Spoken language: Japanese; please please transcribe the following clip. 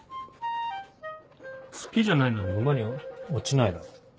好きじゃないなら沼に落ちないだろ。